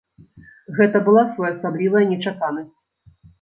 Гэта была своеасаблівая нечаканасць.